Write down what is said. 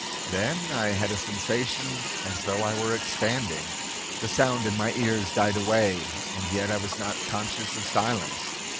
Then I had a sensation as though I were expanding. The sound in my ears died away, and yet I was not conscious of silence.